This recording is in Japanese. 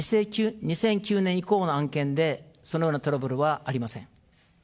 ２００９年以降の案件で、そのようなトラブルはありません。